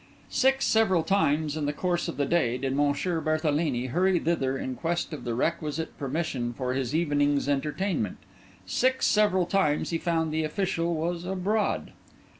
Six several times in the course of the day did M. Berthelini hurry thither in quest of the requisite permission for his evening's entertainment; six several times he found the official was abroad.